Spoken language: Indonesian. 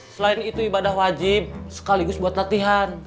selain itu ibadah wajib sekaligus buat latihan